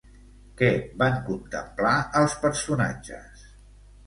Què van contemplar els personatges?